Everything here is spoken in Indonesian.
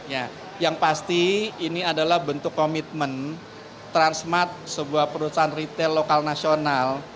ya yang pasti ini adalah bentuk komitmen transmart sebuah perusahaan retail lokal nasional